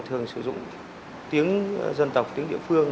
thường sử dụng tiếng dân tộc tiếng địa phương